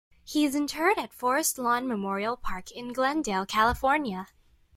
He is interred at Forest Lawn Memorial Park in Glendale, California.